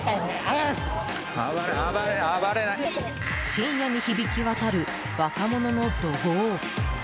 深夜に響き渡る若者の怒号。